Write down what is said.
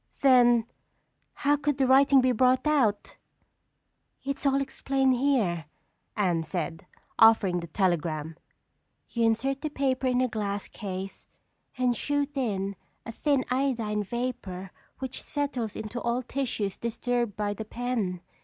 "Then how could the writing be brought out?" "It's all explained here," Anne said, offering the telegram. "You insert the paper in a glass case and shoot in a thin iodine vapor which settles into all tissues disturbed by the pen.